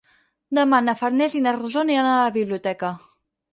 Demà na Farners i na Rosó aniran a la biblioteca.